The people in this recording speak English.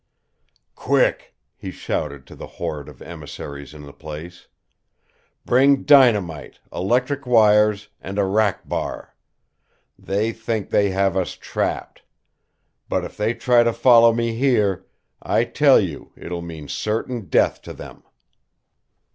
"Quick!" he shouted to the horde of emissaries in the place. "Bring dynamite, electric wires, and a rack bar. They think they have us trapped. But if they try to follow me here, I tell you it will mean certain death to them."